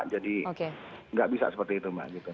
jadi gak bisa seperti itu mbak